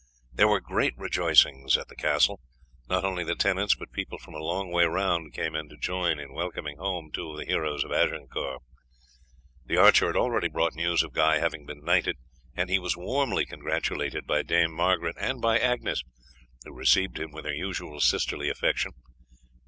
There were great rejoicings at the castle. Not only the tenants, but people from a long way round came in to join in welcoming home two of the heroes of Agincourt. The archer had already brought news of Guy having been knighted, and he was warmly, congratulated by Dame Margaret and by Agnes, who received him with her usual sisterly affection.